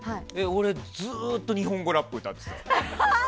ずっと日本語ラップ歌ってた。